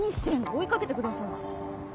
追い掛けてください！